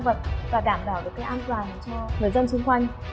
và thu được cả căn vật và đảm bảo được cái an toàn cho người dân xung quanh